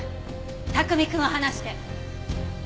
卓海くんを放して。